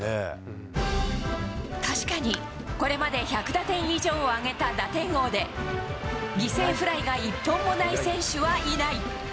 確かに、これまで１００打点以上を挙げた打点王で、犠牲フライが一本もない選手はいない。